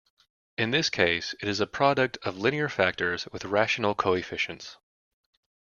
In this case it is a product of linear factors with rational coefficients.